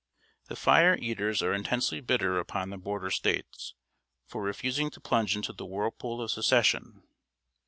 The Fire Eaters are intensely bitter upon the border States for refusing to plunge into the whirlpool of Secession.